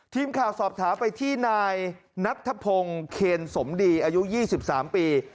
ทีมข่าวสอบถามไปที่นายนัทธพงศ์เคนสมดีอายุ๒๓ปี